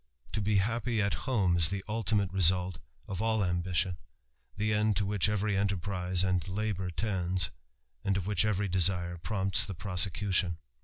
To be happy at home is the ultimate result of all ambition, the end to which every enterprise and labour tends, and of v^hich every desire prompts the prosecution.